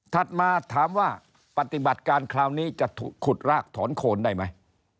มาถามว่าปฏิบัติการคราวนี้จะขุดรากถอนโคนได้ไหม